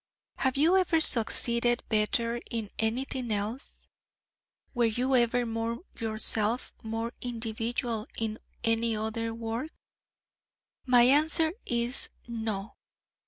Have you ever succeeded better in anything else? Were you ever more yourself, more individual, in any other work? My answer is No!